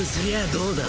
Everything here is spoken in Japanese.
どうだ？